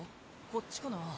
こっちかな？